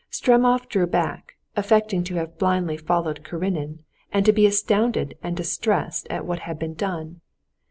Stremov drew back, affecting to have blindly followed Karenin, and to be astounded and distressed at what had been done.